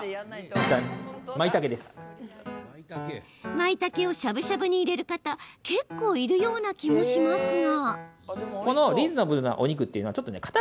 まいたけをしゃぶしゃぶに入れる方結構いるような気もしますが。